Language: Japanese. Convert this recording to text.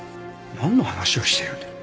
なんの話をしてるんだよ？